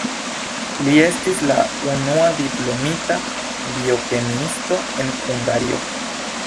Li estis la unua diplomita biokemiisto en Hungario.